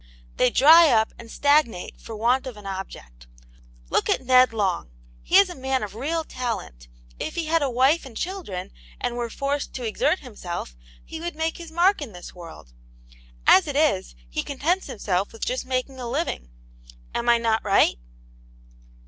They dry up and stagnate for want of an object. Look at Ned Long. He is a man of real talent ; if he had a wife and children, and were forced to exert himself, he would make his mark in the world. As it is, he contents himself with just making a living. Am I not right?"